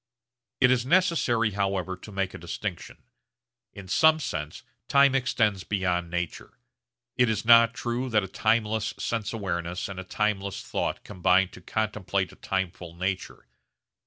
It is necessary however to make a distinction. In some sense time extends beyond nature. It is not true that a timeless sense awareness and a timeless thought combine to contemplate a timeful nature.